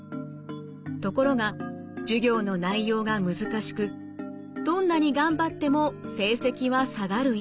ところが授業の内容が難しくどんなに頑張っても成績は下がる一方。